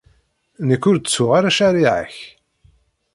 Nekk, ur ttuɣ ara ccariɛa-k.